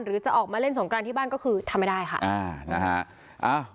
หรือจะออกมาเล่นสงกรานที่บ้านก็คือทำไม่ได้ค่ะ